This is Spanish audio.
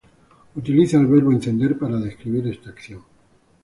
Utiliza el verbo "encender" para describir esta acción.